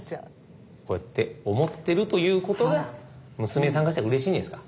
こうやって思ってるということが娘さんからしたらうれしいんじゃないですか。